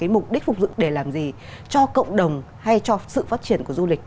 mục đích phục dựng để làm gì cho cộng đồng hay cho sự phát triển của du lịch